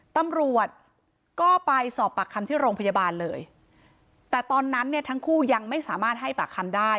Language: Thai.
ตำรวจก็ไปสอบปากคำที่โรงพยาบาลเลยแต่ตอนนั้นเนี่ยทั้งคู่ยังไม่สามารถให้ปากคำได้